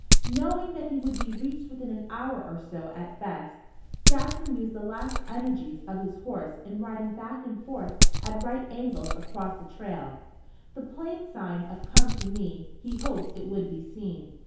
Knowing that he would be reached within an hour or so at best, Jackson used the last energies of his horse in riding back and forth at right angles across the trail, the Plains sign of "Come to me!" He hoped it would be seen.